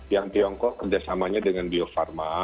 yang tiongkok kerjasamanya dengan bio farma